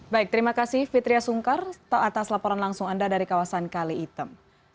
baik terima kasih fitriah sungkar atas laporan langsung anda dari kawasan kali item